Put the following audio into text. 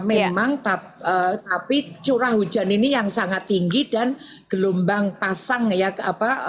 memang tapi curah hujan ini yang sangat tinggi dan gelombang pasang ya